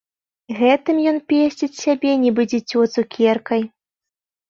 Гэтым ён песціць сябе, нібы дзіцё цукеркай.